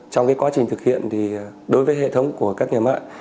trong quá trình thực hiện thì đối với hệ thống của các nhà mạng